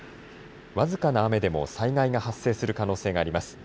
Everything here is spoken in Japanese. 僅かな雨でも災害が発生する可能性があります。